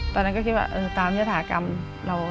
ตอนนั้นก็คิดว่าตามอย่าทำอะไร